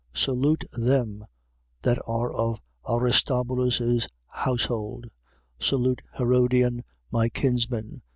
16:11. Salute them that are of Aristobulus' household. Salute Herodian, my kinsman.